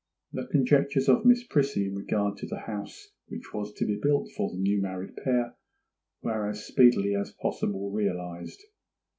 The conjectures of Miss Prissy in regard to the house which was to be built for the new married pair were as speedily as possible realized.